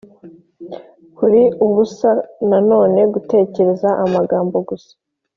kuri ubusa na none, gutegereza amagambo gusa.